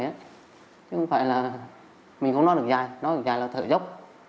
chứ không phải là mình không nói được dài nói được dài là thở dốc